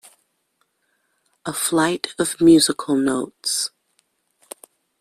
A flight of musical notes.